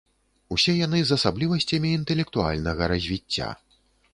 Усе яны з асаблівасцямі інтэлектуальнага развіцця.